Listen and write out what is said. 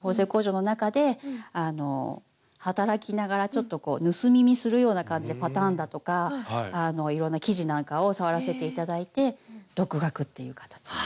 縫製工場の中であの働きながらちょっと盗み見するような感じでパターンだとかいろんな生地なんかを触らせて頂いて独学っていう形ですね。